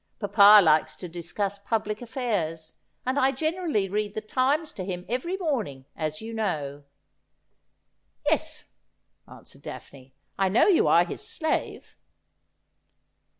Papa likes to discuss i^ublic affairs, and I generally read the Times to him every morning, as you know.' ' Yes,' answered Daphne ;' I know you are his slave.'